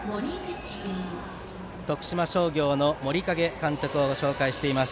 徳島商業の森影監督をご紹介しています。